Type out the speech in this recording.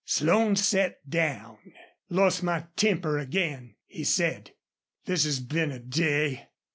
Slone sat down. "Lost my temper again!" he said. "This has been a day.